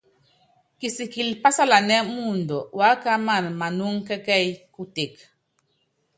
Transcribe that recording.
Kisikili pásalanɛ́ muundɔ, wákámana manúŋɔ kɛ́kɛ́yí kutek.